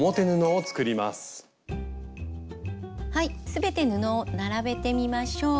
全て布を並べてみましょう。